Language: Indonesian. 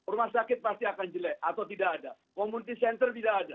rumah sakit pasti akan jelek atau tidak ada community center tidak ada